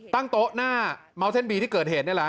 ตั้งโต๊ะหน้าเมาเส้นบีที่เกิดเหตุนี่แหละ